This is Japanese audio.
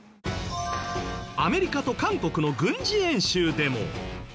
アメリカと韓国の軍事演習でも。